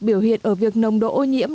biểu hiện ở việc nồng độ ô nhiễm